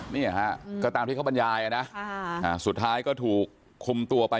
เนี่ยฮะก็ตามที่เขาบรรยายนะสุดท้ายก็ถูกคุมตัวไป